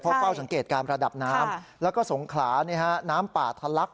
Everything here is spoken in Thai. เพราะเฝ้าสังเกตการระดับน้ำแล้วก็สงขลาน้ำป่าทะลัก